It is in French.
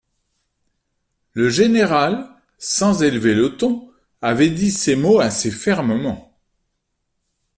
Le général, sans élever le ton, avait dit ces mots assez fermement.